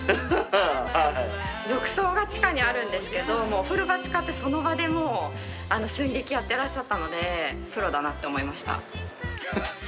浴槽が地下にあるんですけどお風呂場使ってその場で寸劇やってらっしゃったのでプロだなって思いました。